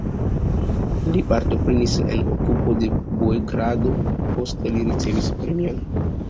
Li partoprenis en okupo de Beogrado, poste li ricevis premion.